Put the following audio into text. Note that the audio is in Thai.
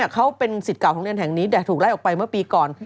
เขาเป็นสิทธิ์เก่าของเรียนแห่งนี้แต่ถูกไล่ออกไปเมื่อปีก่อน